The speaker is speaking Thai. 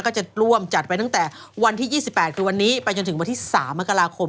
ก็จะร่วมจัดไว้ตั้งแต่วันที่๒๘คือวันนี้ไปจนถึงวันที่๓มกราคม